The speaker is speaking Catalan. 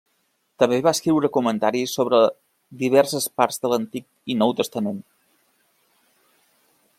També va escriure comentaris sobre diverses parts de l'Antic i Nou Testament.